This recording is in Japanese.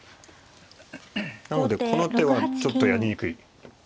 なのでこの手はちょっとやりにくい。